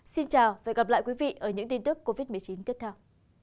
xin chào và hẹn gặp lại quý vị ở những tin tức covid một mươi chín tiếp theo